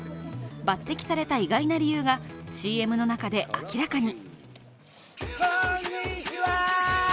抜てきされた意外な理由が、ＣＭの中で明らかに。